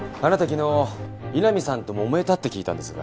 昨日井波さんと揉めたって聞いたんですが。